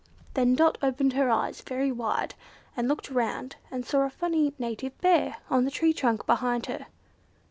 Then Dot opened her eyes very wide and looked round, and saw a funny native Bear on the tree trunk behind her.